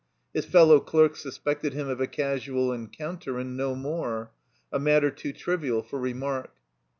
His fellow clerks suspected him of a casual en* «nmter and no more. A matter too trivial for remark.